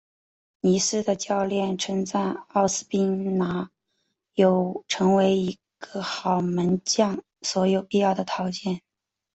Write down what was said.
尼斯的教练称赞奥斯宾拿有成为一个好门将所有必要的条件。